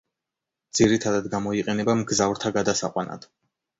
ძირითადად გამოიყენება მგზავრთა გადასაყვანად.